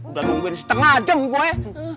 udah nungguin setengah jam gue